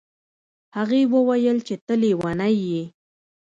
هغې وویل چې ته لیونی یې.